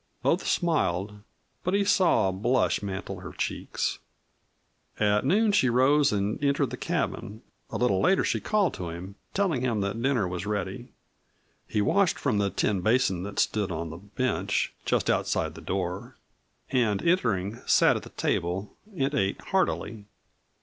Both smiled, but he saw a blush mantle her cheeks. At noon she rose and entered the cabin. A little later she called to him, telling him that dinner was ready. He washed from the tin basin that stood on the bench just outside the door, and entering sat at the table and ate heartily.